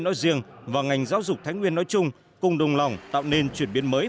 nói riêng và ngành giáo dục thái nguyên nói chung cùng đồng lòng tạo nên chuyển biến mới